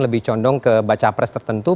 lebih condong ke baca pres tertentu